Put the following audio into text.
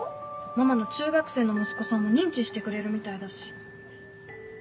ママの中学生の息子さんも認知してくれるみたいだし。